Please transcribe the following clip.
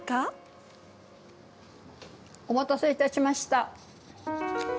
お待たせいたしました。